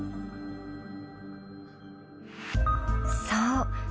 そう。